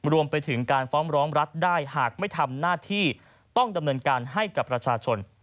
รวมไปถึงการฟ้องร้องรัฐได้หากไม่ทำหน้าที่ต้องดำเนินการให้กับประชาชน